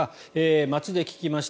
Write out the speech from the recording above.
街で聞きました